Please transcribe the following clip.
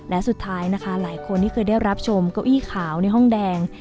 และสุดท้ายนะคะหลายคนที่เคยได้รับชมเก้าอี้ขาวในห้องแดง